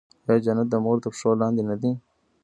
آیا جنت د مور تر پښو لاندې نه دی؟